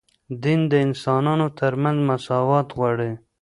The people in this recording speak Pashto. دین د انسانانو ترمنځ مساوات غواړي